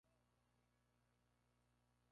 Éste fue considerado su mejor trabajo para el cine.